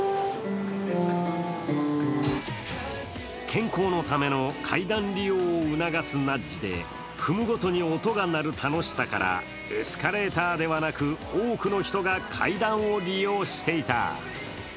健康のための階段利用を促すナッジで、踏むごとに音が鳴る楽しさからエスカレーターではなく多くの人が階段を利用していた。